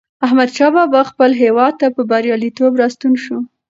احمدشاه بابا خپل هېواد ته په بریالیتوب راستون شو.